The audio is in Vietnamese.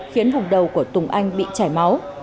khiến vùng đầu của tùng anh bị chảy máu